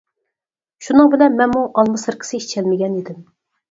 شۇنىڭ بىلەن مەنمۇ ئالما سىركىسى ئىچەلمىگەن ئىدىم.